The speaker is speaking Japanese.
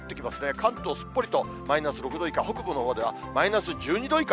関東、すっぽりとマイナス６度以下、北部のほうではマイナス１２度以下。